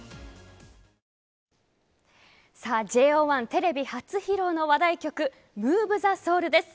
ＪＯ１、テレビ初披露の話題曲「ＭｏｖｅＴｈｅＳｏｕｌ」です。